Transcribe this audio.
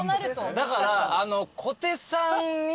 だから。